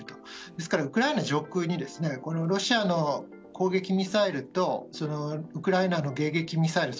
ですから、ウクライナ上空にロシアの攻撃ミサイルとウクライナの迎撃ミサイル。